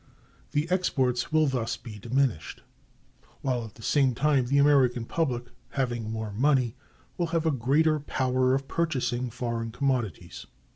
The exports will thus be diminished; while at the same time the American public, having more money, will have a greater power of purchasing foreign commodities.